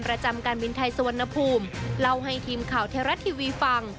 ประจำการบินไทยสวรรณภูมิเล่าให้ทีมข่าวไทยรัฐทีวีฟัง